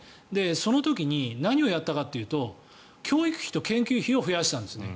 その時に何をやったかっていうと教育費と研究費を増やしたんですね。